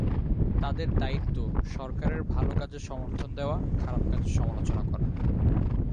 তাদের দায়িত্ব সরকারের ভালো কাজের সমর্থন দেওয়া, খারাপ কাজের সমালোচনা করা।